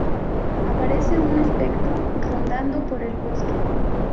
Aparece un espectro rondando por el bosque.